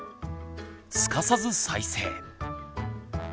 すかさず再生。